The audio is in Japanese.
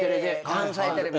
関西テレビの。